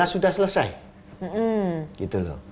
enam belas sudah selesai